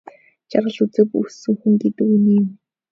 Жаргал үзээгүй өссөн хүн гэдэг үнэн юм.